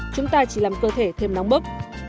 chúng ta chỉ làm cơ thể thêm nóng bớt